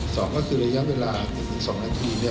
สองก็คือระยะเวลา๑๒นาที